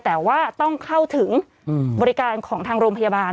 แต่ว่าต้องเข้าถึงบริการของทางโรงพยาบาล